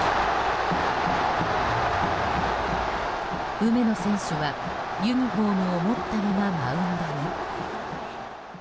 梅野選手はユニホームを持ったままマウンドに。